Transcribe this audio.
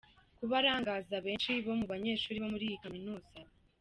kuba arangaza benshi mu banyeshuri bo muri iyi kaminuza.